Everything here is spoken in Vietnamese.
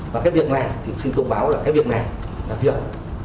và cái việc này thì xin thông báo là cái việc này là việc